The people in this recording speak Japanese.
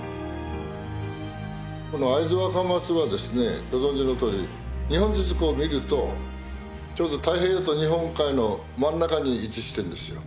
この会津若松はですねご存じのとおり日本地図こう見るとちょうど太平洋と日本海の真ん中に位置してんですよ。